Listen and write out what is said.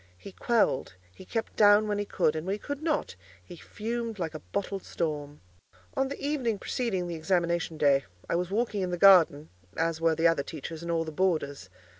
He quelled, he kept down when he could; and when he could not, he fumed like a bottled storm. On the evening preceding the examination day, I was walking in the garden, as were the other teachers and all the boarders.